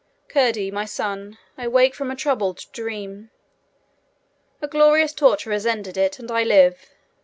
Curdie, my son, I wake from a troubled dream. A glorious torture has ended it, and I live.